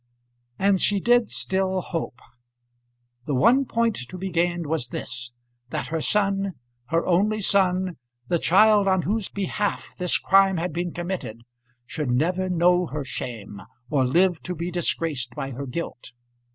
And she did still hope. The one point to be gained was this; that her son, her only son, the child on whose behalf this crime had been committed, should never know her shame, or live to be disgraced by her guilt.